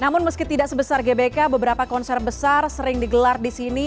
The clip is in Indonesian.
namun meski tidak sebesar gbk beberapa konser besar sering digelar di sini